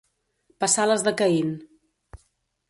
Passar les de Caín.